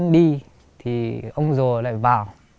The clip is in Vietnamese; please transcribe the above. đi thì ông rùa lại vào